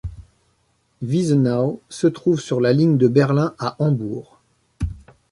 Wiesenaue se trouve sur la ligne de Berlin à Hambourg.